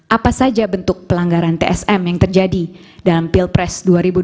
apa saja bentuk pelanggaran tsm yang terjadi dalam pilpres dua ribu dua puluh